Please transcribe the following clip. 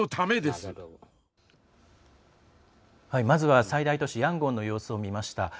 まずは最大都市ヤンゴンの様子を見ました。